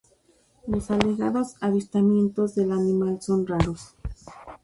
Los alegados avistamientos del animal son raros.